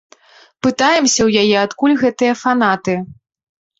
Пытаемся ў яе, адкуль гэтыя фанаты.